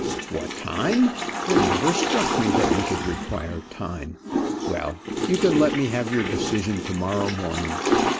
"What time! It never struck me that you could require time. Well; you can let me have your decision to morrow morning.